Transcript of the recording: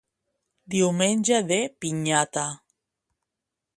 Diumenge de pinyata.